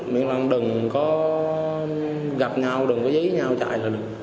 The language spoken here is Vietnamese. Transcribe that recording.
miễn là em đừng có gặp nhau đừng có giấy nhau chạy là được